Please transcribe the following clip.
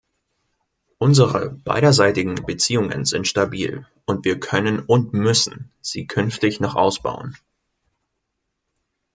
Unsere beiderseitigen Beziehungen sind stabil, und wir können und müssen sie künftig noch ausbauen.